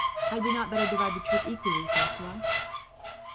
"Had we not better divide the troop equally, Francois?"